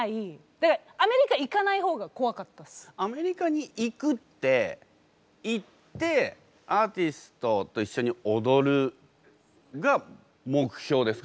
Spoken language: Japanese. だからアメリカに行くって「行ってアーティストと一緒に踊る」が目標ですか？